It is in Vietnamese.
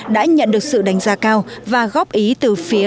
đã nhận được sự đánh giá cao và góp ý từ phía